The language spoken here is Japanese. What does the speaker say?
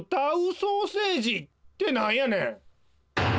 ソーセージってなんやねん！